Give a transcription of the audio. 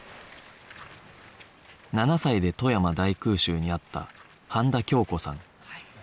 ７歳で富山大空襲に遭った飯田恭子さん